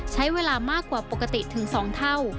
ใช้เวลามากกว่าปกติถึง๒เท่า